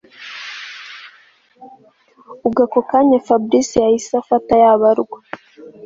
Ubwo ako kanya Fabric yahise afata yabarwa